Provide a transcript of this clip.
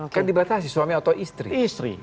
kan dibatasi suami atau istri istri